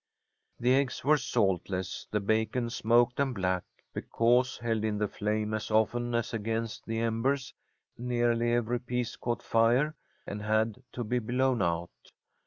The eggs were saltless, the bacon smoked and black, because, held in the flame as often as against the embers, nearly every piece caught fire and had to be blown out.